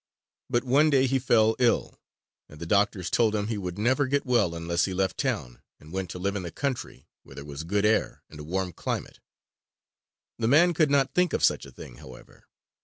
But one day he fell ill, and the doctors told him he would never get well unless he left town and went to live in the country where there was good air and a warm climate. The man could not think of such a thing, however.